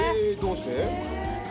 えどうして？